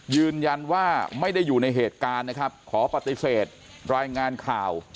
ยืนยันว่าไม่ได้อยู่ในเหตุการณ์นะครับขอปฏิเสธรายงานข่าว